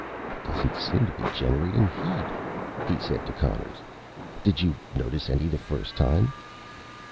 "Doesn't seem to be generating heat," he said to Conners. "Did you notice any the first time?"